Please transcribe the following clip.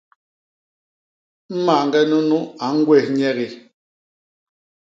Mañge nunu a ñgwés nyegi.